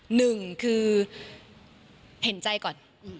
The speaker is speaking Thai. หนึ่งคือเห็นใจก่อน